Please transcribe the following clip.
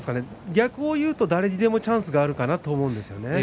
逆をいうと誰にでもチャンスはあるかなと思うんですよね。